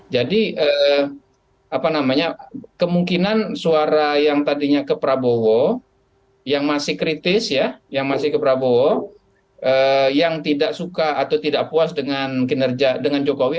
jadi kemungkinan suara yang tadinya ke prabowo yang masih kritis yang masih ke prabowo yang tidak suka atau tidak puas dengan kinerja jokowi